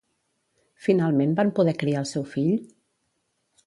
Finalment van poder criar el seu fill?